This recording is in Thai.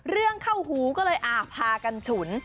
เรื่องเข้าหูก็เลยพากันฉุน